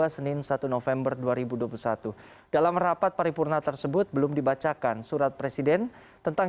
senin satu november dua ribu dua puluh satu dalam rapat paripurna tersebut belum dibacakan surat presiden tentang